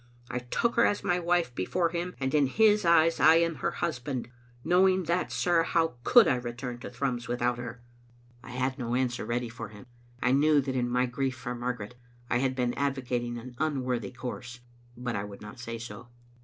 I took her as my wife before Him, and in His eyes I am her husband. Knowing that, sir, how could I return to Thrums without her?" Digitized by VjOOQ IC 2M trbe Xittle Afnidter. I had no answer ready for him. I knew that in my grief for Margaret I had been advocating an unworthy course, but I would not say so.